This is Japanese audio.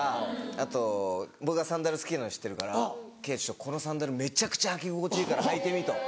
あと僕がサンダル好きなの知ってるから「圭このサンダルめちゃくちゃ履き心地いいから履いてみ」と。